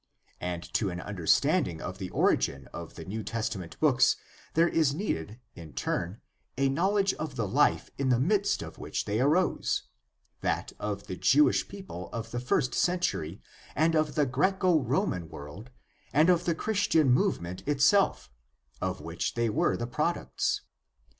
And to an understanding of the origin of the New Testament books there is needed in turn a knowledge of the hfe in the midst of which they arose — that of the Jewish people of the first century and of the Graeco Roman world and of the Christian move ment itself, of which they were the products (cf.